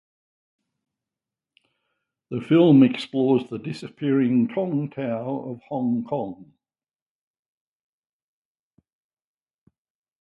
The film explores the disappearing "tong lau" of Hong Kong.